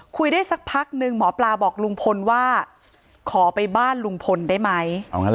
ได้สักพักนึงหมอปลาบอกลุงพลว่าขอไปบ้านลุงพลได้ไหม